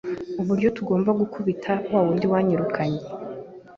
uburyo tugomba gukubita wa wundi wanyirukanye,